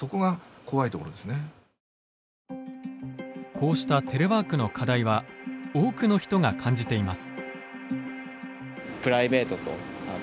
こうしたテレワークの課題は多くの人が感じています。